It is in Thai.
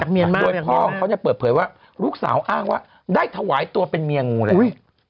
โดยพ่อเขาจะเปิดเผยว่าลูกสาวอ้างว่าได้ถวายตัวเป็นเมียงูแล้ว